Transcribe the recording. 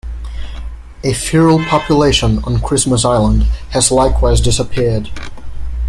A feral population on Christmas Island has likewise disappeared.